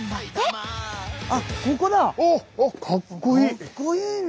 かっこいいね！